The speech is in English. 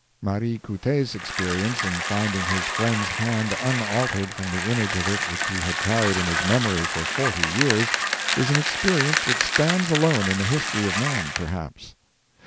Marie Couttet's experience, in finding his friend's hand unaltered from the image of it which he had carried in his memory for forty years, is an experience which stands alone in the history of man, perhaps.